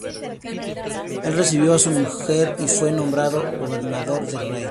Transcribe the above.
Él recibió a su mujer, y fue nombrado gobernador de Ray.